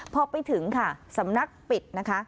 พอไปถึงค่ะสำนักปิดนะคะ